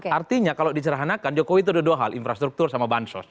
artinya kalau dicerhanakan jokowi itu ada dua hal infrastruktur sama bansos